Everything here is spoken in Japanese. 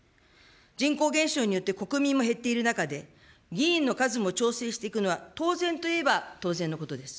人口減少によって、国民の数も減っている中で、議員の数も調整していくのは、当然といえば当然のことです。